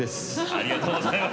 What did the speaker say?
ありがとうございます。